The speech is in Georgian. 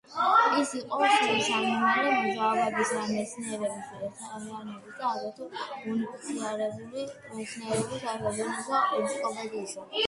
ის იყო სულისჩამდგმელი მოძრაობისა მეცნიერების ერთიანობისათვის და აგრეთვე „უნიფიცირებული მეცნიერების საერთაშორისო ენციკლოპედიისა“.